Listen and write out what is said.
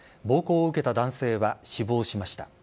暴行を受けた男性は死亡しました。